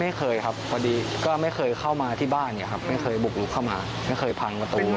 ไม่เคยครับพอดีก็ไม่เคยเข้ามาที่บ้านเนี่ยครับไม่เคยบุกลุกเข้ามาไม่เคยพังประตู